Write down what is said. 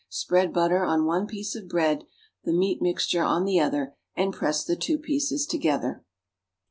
Spread butter on one piece of bread, the meat mixture on the other, and press the two pieces together.